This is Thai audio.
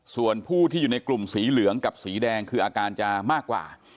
ส่วนผู้ที่อยู่ในกลุ่มสีเหลืองกับสีแดงคืออาการจะมากกว่า